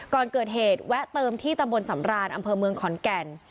ก่อนเกิดเหตุแวะเติมที่ตำบลสำรานอำเภอเมืองขอนแก่น